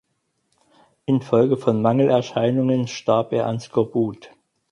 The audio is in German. In Folge von Mangelerscheinungen starb er an Skorbut.